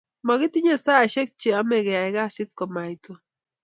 makitinye saisiek cheemei keyae kasit komait tom